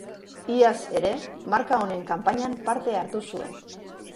Iaz ere, marka honen kanpainan parte hartu zuen.